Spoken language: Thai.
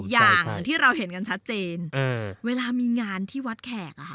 อย่างที่เราเห็นกันชัดเจนเวลามีงานที่วัดแขกอะค่ะ